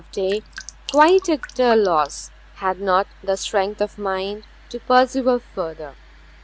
Loveday, quite at a loss, had not the strength of mind to persevere further.